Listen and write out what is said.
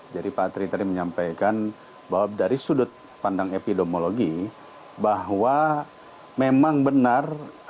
jadi pak tri tadi menyampaikan bahwa dari sudut pandang epidemiologi bahwa memang benar